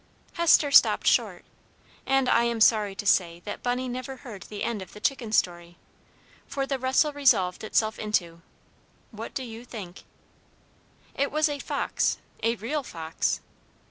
Hester stopped short, and I am sorry to say that Bunny never heard the end of the chicken story, for the rustle resolved itself into what do you think? It was a fox! A real fox!